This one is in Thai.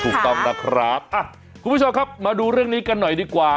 ถูกต้องนะครับคุณผู้ชมครับมาดูเรื่องนี้กันหน่อยดีกว่า